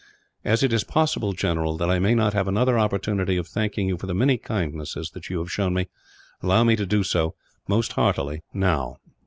"As it is possible, General, that I may not have another opportunity of thanking you for the many kindnesses that you have shown me, allow me to do so, most heartily, now."